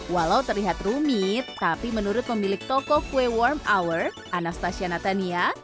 walau terlihat rumit tapi menurut pemilik toko kue warm hour anastasia natania